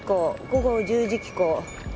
午後１０時帰港。